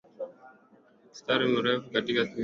mstari mrefu ukitoka mbele unafika mpakaa